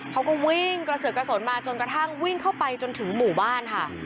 ประสิทธิ์กระสนมาจนกระทั่งวิ่งเข้าไปจนถึงหมู่บ้านค่ะ